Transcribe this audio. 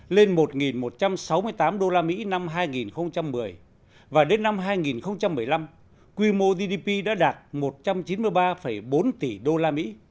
lên một một trăm sáu mươi tám usd năm hai nghìn một mươi và đến năm hai nghìn một mươi năm quy mô gdp đã đạt một trăm chín mươi ba bốn tỷ usd